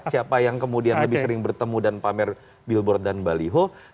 siapa yang kemudian lebih sering bertemu dan pamer billboard dan baliho